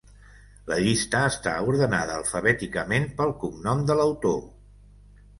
La llista està ordenada alfabèticament pel cognom de l'autor.